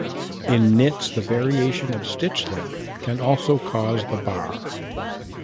In knits the variation of stitch length can also cause the barre.